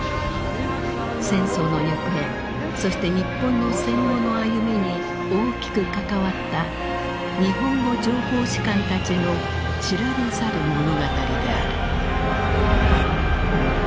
戦争の行方そして日本の戦後の歩みに大きく関わった日本語情報士官たちの知られざる物語である。